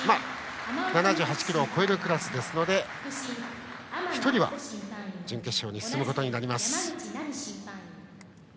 ７８キロを超えるクラスですのでこのうち１人は、準決勝に進むことになります。